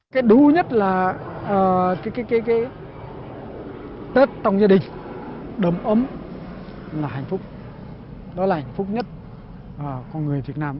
cái đu nhất là cái tết trong gia đình đông ấm là hạnh phúc đó là hạnh phúc nhất con người việt nam